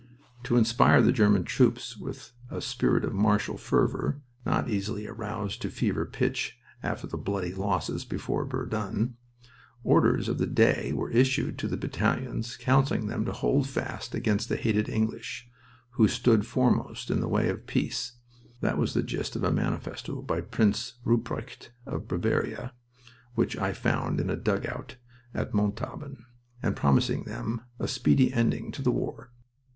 To inspire the German troops with a spirit of martial fervor (not easily aroused to fever pitch after the bloody losses before Verdun) Orders of the Day were issued to the battalions counseling them to hold fast against the hated English, who stood foremost in the way of peace (that was the gist of a manifesto by Prince Rupprecht of Bavaria, which I found in a dugout at Montauban), and promising them a speedy ending to the war.